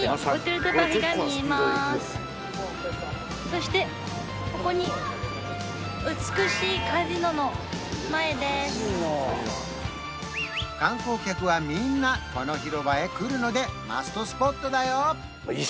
そしてここに観光客はみんなこの広場へ来るのでマストスポットだよ